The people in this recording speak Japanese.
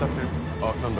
あっなんだ？